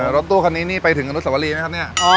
รถตู้คนนี้นี่ไปถึงกันนุสสวรีแม่ครเฟ้ว